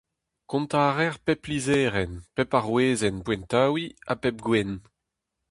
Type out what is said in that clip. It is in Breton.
Kontañ a reer pep lizherenn, pep arouezenn boentaouiñ ha pep gwenn.